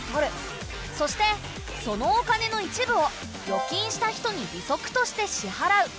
そしてそのお金の一部を預金した人に利息として支払う。